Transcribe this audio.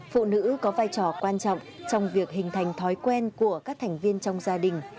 phụ nữ có vai trò quan trọng trong việc hình thành thói quen của các thành viên trong gia đình